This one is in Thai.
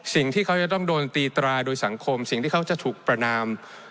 สิ่งที่เขาจะต้องโดนตีตราโดยสังคมสิ่งที่เขาจะถูกประนาม